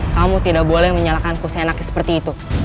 kamu tidak boleh menyalahkan ku senak seperti itu